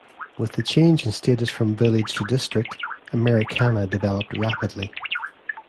With the change in status from village to district, Americana developed rapidly.